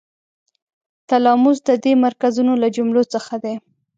تلاموس د دې مرکزونو له جملو څخه دی.